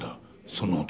その男。